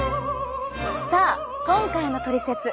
さあ今回のトリセツ！